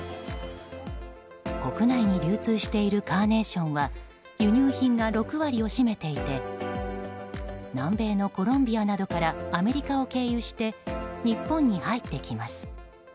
国内に流通しているカーネーションは輸入品が６割を占めていて南米のコロンビアなどからアメリカを経由して日本に入ってきます。